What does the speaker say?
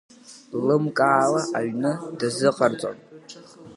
Лымкаала аҩны дазыҟарҵон.